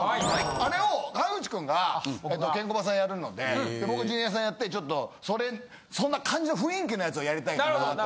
あれを河口君がケンコバさんやるので僕ジュニアさんやってちょっとそれそんな感じの雰囲気のやつをやりたいかなと思って。